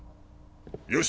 よし！